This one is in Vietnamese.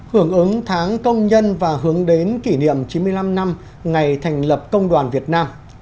hưởng ứng tháng công nhân và hướng đến kỷ niệm chín mươi năm năm ngày thành lập công đoàn việt nam